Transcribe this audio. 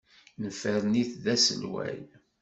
Nefren-it d aselway.